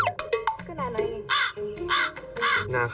ก็หน้าน้อยไง